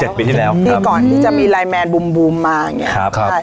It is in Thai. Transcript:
ที่แล้วที่ก่อนที่จะมีไลน์แมนบูมบูมมาอย่างเงี้ครับใช่